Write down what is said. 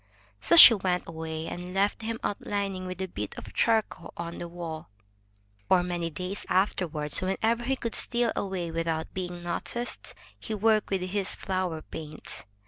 So she went away and left him outlining with a bit of char coal on the wall. For many days afterward, whenever he could steal away without being noticed, he worked with his flower paints.